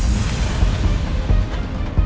kenapa foto itu